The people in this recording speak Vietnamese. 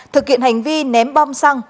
thực hiện hành vi ném bom xăng